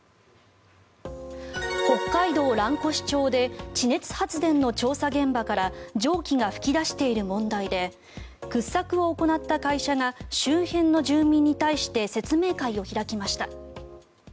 北海道蘭越町で地熱発電の調査現場から蒸気が噴き出している問題で掘削を行った会社が周辺の住民に対して説明会を開きました。